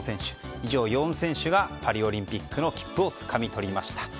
以上、４選手がパリオリンピックの切符をつかみ取りました。